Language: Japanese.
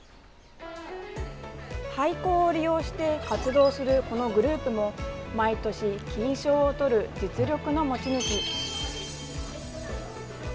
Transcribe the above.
廃校を利用して活動するこのグループも毎年金賞を取る実力の持ち主。